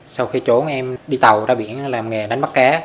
sau khi trốn em đi tàu ra biển để làm nghề đánh bắt cá